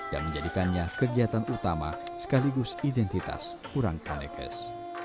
yang menjadikannya kegiatan utama sekaligus identitas orang kanekes